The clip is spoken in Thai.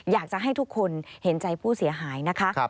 อยากจะให้ทุกคนเห็นใจผู้เสียหายนะคะ